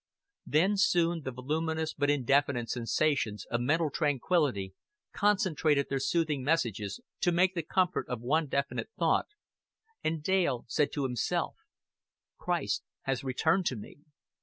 Then soon the voluminous but indefinite sensations of mental tranquillity concentrated their soothing messages to make the comfort of one definite thought, and Dale said to himself: "Christ has returned to me."